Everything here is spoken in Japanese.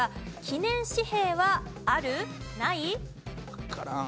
わからん。